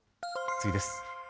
次です。